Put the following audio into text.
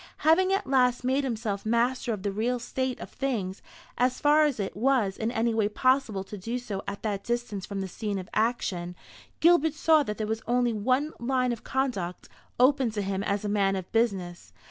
Having at last made himself master of the real state of things, as far as it was in any way possible to do so at that distance from the scene of action, Gilbert saw that there was only one line of conduct open to him as a man of business.